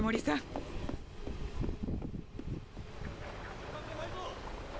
時間がないぞ！